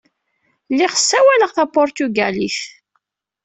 Lliɣ ssawaleɣ tapuṛtugalit.